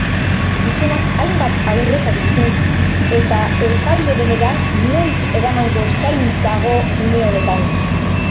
Gizonak hainbat aurrekari ditu, eta epailerenera noiz eramango zain dago une honetan.